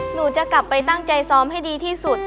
หนูจะกลับไปตั้งใจซ้อมให้ดีที่สุด